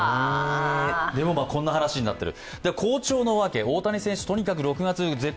でも、こんな話になっている。